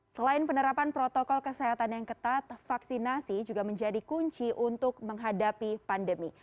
selain penerapan protokol kesehatan yang ketat vaksinasi juga menjadi kunci untuk menghadapi pandemi